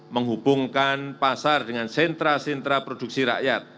menghubungkan pasar dengan sentra sentra produksi rakyat